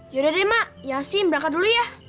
yaudah deh mak yasin berangkat dulu ya